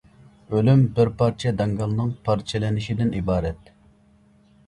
ئۆلۈم بىر پارچە داڭگالنىڭ پارچىلىنىشىدىن ئىبارەت.